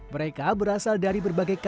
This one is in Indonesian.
mereka berasal dari berbagai kota